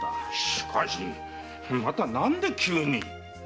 しかしまた何で急に？